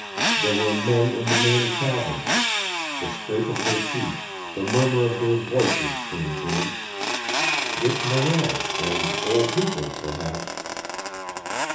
There were men in the main cabin. The scrape of their feet, the murmur of their voices came to him. Dick Morrell and old Hooper, perhaps....